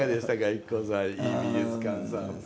ＩＫＫＯさん井伊美術館さん。